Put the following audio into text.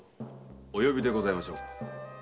お呼びでございましょうか？